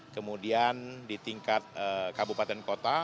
kemudian di tingkat kabupaten kota